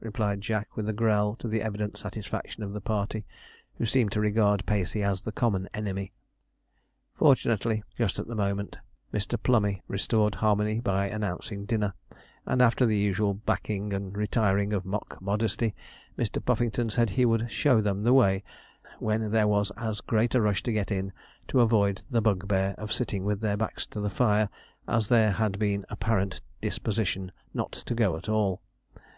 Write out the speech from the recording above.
replied Jack, with a growl, to the evident satisfaction of the party, who seemed to regard Pacey as the common enemy. Fortunately just at the moment Mr. Plummey restored harmony by announcing dinner; and after the usual backing and retiring of mock modesty, Mr. Puffington said he would 'show them the way,' when there was as great a rush to get in, to avoid the bugbear of sitting with their backs to the fire, as there had been apparent disposition not to go at all.